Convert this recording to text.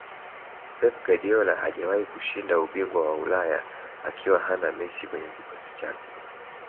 pep guardiola hajawahi kushinda ubingwa wa ulaya akisa hana messi kwenye kikosi chake